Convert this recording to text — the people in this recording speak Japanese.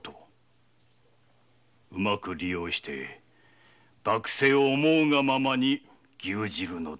うまく利用して幕政を思うがままに牛耳るのだ。